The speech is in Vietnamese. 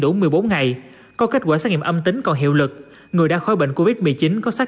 đủ một mươi bốn ngày có kết quả xét nghiệm âm tính còn hiệu lực người đang khói bệnh covid một mươi chín có xét